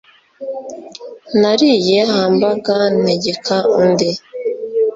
Nariye hamburger ntegeka undi